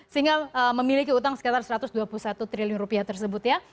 sehingga memiliki utang sekitar satu ratus dua puluh satu triliun rupiah tersebut ya